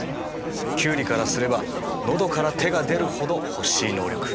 キュウリからすれば喉から手が出るほど欲しい能力。